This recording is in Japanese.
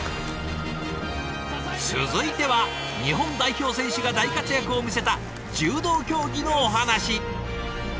続いては日本代表選手が大活躍を見せた柔道競技のお話。